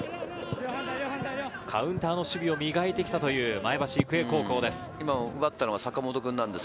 カウンターの守備を磨いて来たという前橋育英高校です。